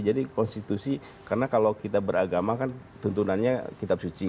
jadi konstitusi karena kalau kita beragama kan tuntunannya kitab suci